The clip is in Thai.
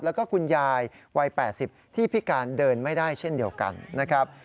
แล้วก็คุณยายวัย๘๐ที่พิการเดินไม่ได้เช่นเดียวกันนะครับ